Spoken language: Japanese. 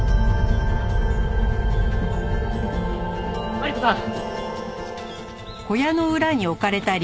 マリコさん！